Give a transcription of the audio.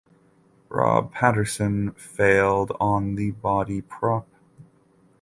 Rob Patterson failed on the Body Prop.